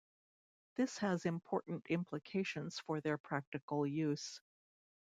This has important implications for their practical use.